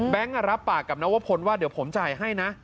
รับปากกับนวพลว่าเดี๋ยวผมจ่ายให้นะ